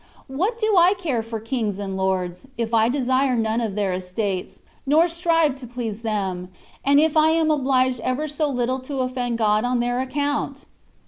What do I care for kings and lords, if I desire none of their estates, nor strive to please them, and if I am obliged ever so little to oflfend God on their accoimt?